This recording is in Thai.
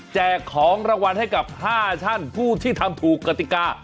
ของรางวัลให้กับ๕ท่านผู้ที่ทำถูกกติกา